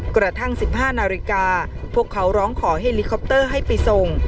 กระทั่ง๑๕นาฬิกาพวกเขาร้องขอให้เฮลิคอปเตอร์ให้ไปส่ง